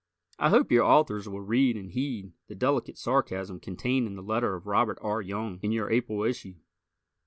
I hope your Authors will read and heed the delicate sarcasm contained in the letter of Robert R. Young in your April issue.